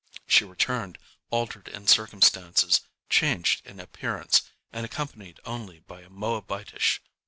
She returned, altered in circumstances, changed in appearance, and accompanied only by a Moabitish woman.